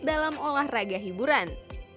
dalam olahraga hiburan